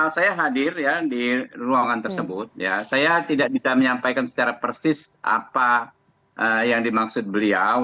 saya hadir ya di ruangan tersebut ya saya tidak bisa menyampaikan secara persis apa yang dimaksud beliau